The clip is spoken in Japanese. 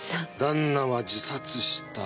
旦那は自殺した。